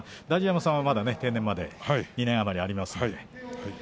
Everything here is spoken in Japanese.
太寿山さんはまだ定年まで２年余りあります。